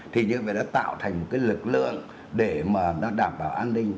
thì như vậy nó tạo thành một cái lực lượng để mà nó đảm bảo an ninh